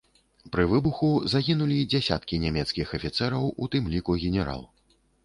Пры выбуху загінулі дзясяткі нямецкіх афіцэраў, у тым ліку генерал.